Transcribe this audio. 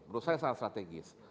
menurut saya sangat strategis